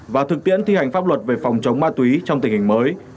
và thực tiễn thi hành pháp luật về phòng chống ma túy trong tình hình mới